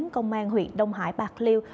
công an huyện đông hải bạc liêu